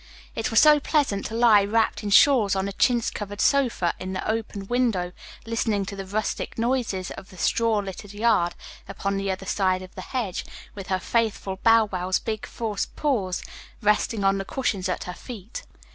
It was so pleasant to lie wrapped in shawls, on a chintz covered sofa, in the open window, listening to the rustic noises in the straw littered yard upon the other side of the hedge, with her faithful Bow wow's big fore paws resting on the cushions at her feet.